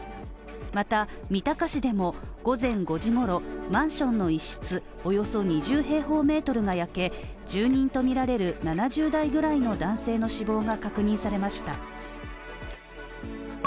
また、三鷹市でも午前５時ごろ、マンションの一室およそ２０平方メートルが焼け、住人とみられる７０代ぐらいの男性の死亡が確認されました。